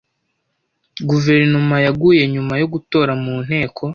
Guverinoma yaguye nyuma yo gutora mu nteko.